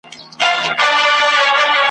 چي د بادام له شګوفو مي تکي سرې وي وني ,